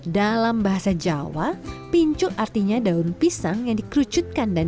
dalam bahasa jawa pincuk artinya daun pisang yang dikerucut dengan kacang